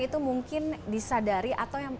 itu mungkin disadari atau